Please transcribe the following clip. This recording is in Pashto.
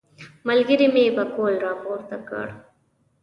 ملګري مې پکول راپورته کړ.